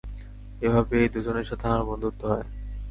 এভাবেই এই দুজনের সাথে আমার বন্ধুত্ব হয়।